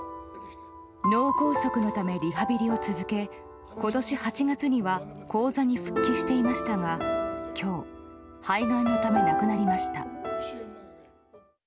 脳梗塞のためリハビリを続け今年８月には高座に復帰していましたが今日、肺がんのため亡くなりました。